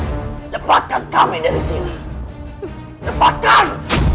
hai lepaskan kami dari sini lepaskan